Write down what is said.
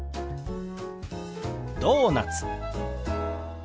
「ドーナツ」。